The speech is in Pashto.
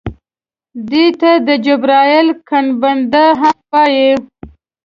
دې ته د جبرائیل ګنبده هم وایي.